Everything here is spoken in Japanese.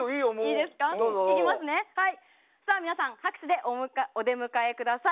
皆さん拍手でお出迎えください。